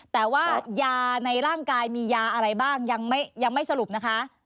แต่ว่ายาในร่างกายมียาอะไรบ้างยังไม่สรุปนะคะ